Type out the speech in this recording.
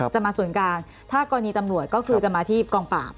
มาส่วนกลางถ้ากรณีตำรวจก็คือจะมาที่กองปราบ